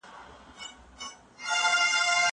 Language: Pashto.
زه بازار ته نه ځم؟